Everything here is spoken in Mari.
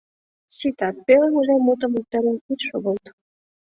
— Сита, пеле-вуле мутым йоктарен ит шогылт!